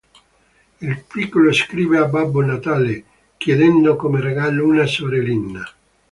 Il piccolo scrive a Babbo Natale chiedendo come regalo una sorellina.